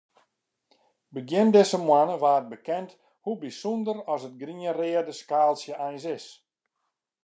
Begjin dizze moanne waard bekend hoe bysûnder as it grien-reade skaaltsje eins is.